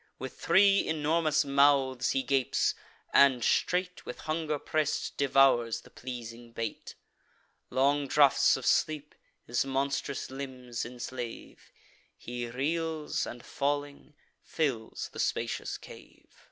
With three enormous mouths he gapes; and straight, With hunger press'd, devours the pleasing bait. Long draughts of sleep his monstrous limbs enslave; He reels, and, falling, fills the spacious cave.